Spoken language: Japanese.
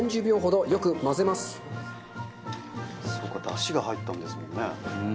だしが入ったんですもんね。